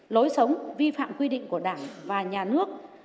lối sống vi phạm quy định của đảng và nhà nước